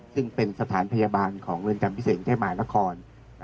ซึ่งเป็นสถานพยาบาลของเรือนจำพิเศษกรุงเทพมหานคร